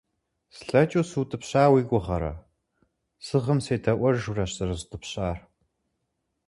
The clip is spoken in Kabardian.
Слъэкӏыу сыутӏыпща уи гугъэрэ? Сыгъым седаӏуэжурэщ зэрызутӏыпщар.